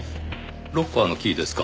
ロッカーのキーですか。